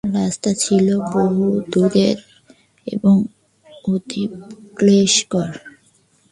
রাস্তা ছিল বহু দূরের এবং অতীব ক্লেশকর।